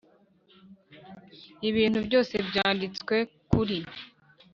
ibintu byose byanditswe kuri